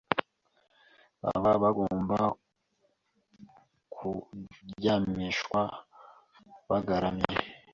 baba bagomba kuryamishwa bagaramye.